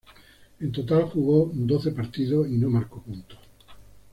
En total jugó doce partidos y no marcó puntos.